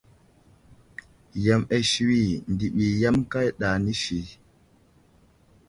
Yam asiwi ndiɓi yam kaɗa nəsi.